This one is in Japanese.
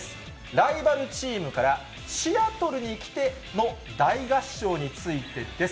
ライバルチームからシアトルに来ての大合唱についてです。